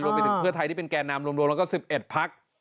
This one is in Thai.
ไปถึงเพื่อไทยที่เป็นแก่นำรวมแล้วก็๑๑พัก